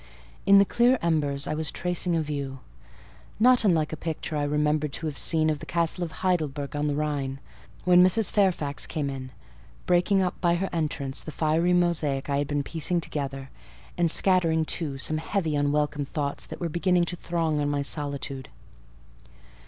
In the clear embers I was tracing a view, not unlike a picture I remembered to have seen of the castle of Heidelberg, on the Rhine, when Mrs. Fairfax came in, breaking up by her entrance the fiery mosaic I had been piercing together, and scattering too some heavy unwelcome thoughts that were beginning to throng on my solitude.